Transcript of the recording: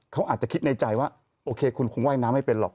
เขาอาจจะคิดในใจว่าโอเคคุณคงว่ายน้ำไม่เป็นหรอก